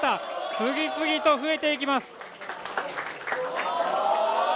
次々と増えていきます。